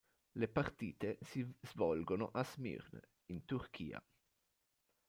Le partite si svolgono a Smirne, in Turchia.